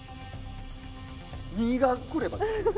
２がくれば。